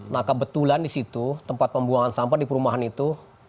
nah kebetulan disitu tempat pembuangan sampah di perumahan itu